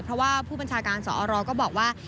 เพราะว่าผู้บัญชาการสอรก็บอกว่า